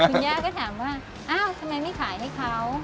คุณย่าก็ถามว่าอ้าวทำไมไม่ขายให้เขา